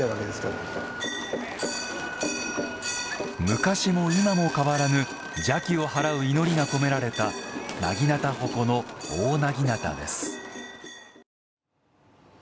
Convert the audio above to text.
昔も今も変わらぬ邪気を払う祈りが込められた長刀鉾の大長刀です。